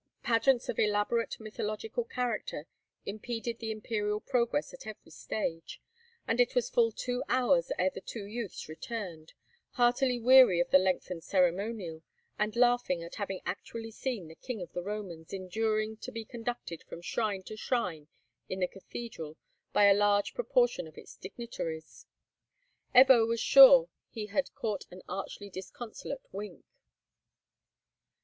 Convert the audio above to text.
Pageants of elaborate mythological character impeded the imperial progress at every stage, and it was full two hours ere the two youths returned, heartily weary of the lengthened ceremonial, and laughing at having actually seen the King of the Romans enduring to be conducted from shrine to shrine in the cathedral by a large proportion of its dignitaries. Ebbo was sure he had caught an archly disconsolate wink!